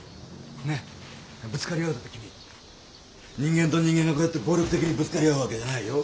ねえぶつかり合うって君人間と人間がこうやって暴力的にぶつかり合うわけじゃないよ。